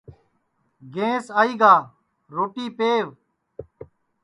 گینٚس آئی گا روٹی پہو